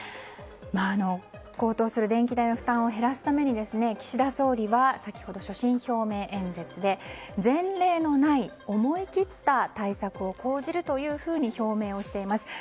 高騰する電気代の負担を減らすために岸田総理は先ほど所信表明演説で前例のない思い切った対策を講じるというふうに表明をしています。